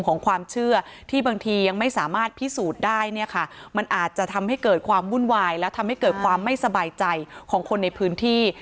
ของความเชื่อที่บางทียังไม่สามารถพิสูจน์ได้เนี่ยค่ะมันอาจจะทำให้เกิดความวุ่นวายและทำให้เกิดความไม่สบายใจของคนในพื้นที่